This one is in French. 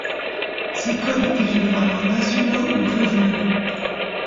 Ces codes étaient généralement nationaux ou régionaux.